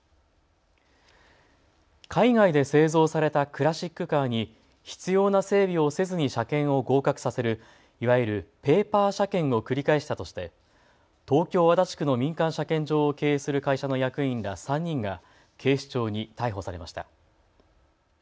海外で製造されたクラシックカーに必要な整備をせずに車検を合格させるいわゆるペーパー車検を繰り返したとして東京足立区の民間車検場を経営する会社の役員ら３人が警視庁に逮捕されました。